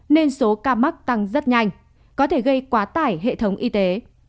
nên số ca mắc tăng rất nhanh có thể gây quá tải hệ thống y tế